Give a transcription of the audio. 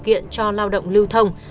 để tạo điều kiện cho lao động lưu thông